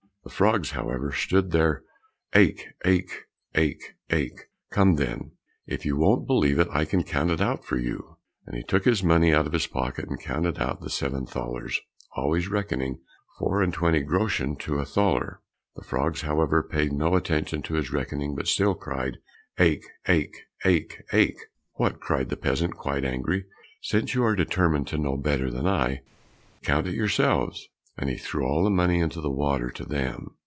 The frogs, however, stood to their, "aik aik, aik, aik." "Come, then, if you won't believe it, I can count it out to you." And he took his money out of his pocket and counted out the seven thalers, always reckoning four and twenty groschen to a thaler. The frogs, however, paid no attention to his reckoning, but still cried, "aik, aik, aik, aik." "What," cried the peasant, quite angry, "since you are determined to know better than I, count it yourselves," and threw all the money into the water to them.